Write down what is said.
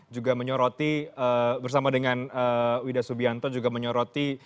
juga menyoroti bersama dengan wida subianto juga menyoroti